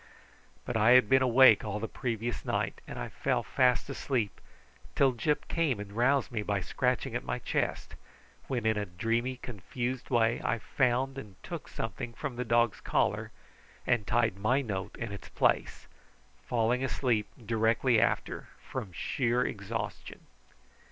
But I had been awake all the previous night, and I fell fast asleep, till Gyp came and roused me by scratching at my chest, when in a dreamy confused way I found and took something from the dog's collar and tied my note in its place, falling asleep directly after from sheer exhaustion.